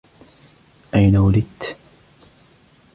اين ولدت ؟